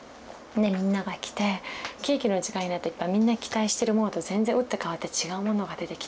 でみんなが来てケーキの時間になってみんな期待してるものと全然打って変わって違うものが出てきた。